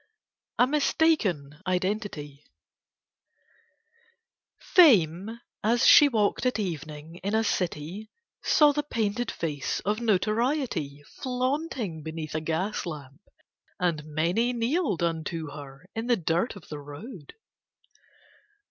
A MISTAKEN IDENTITY Fame as she walked at evening in a city saw the painted face of Notoriety flaunting beneath a gas lamp, and many kneeled unto her in the dirt of the road.